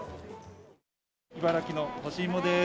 茨城の干し芋です。